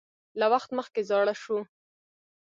له وخت مخکې زاړه شو